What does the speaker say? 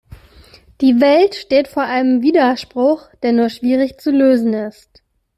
Die Welt steht vor einem Widerspruch, der nur schwierig zu lösen ist.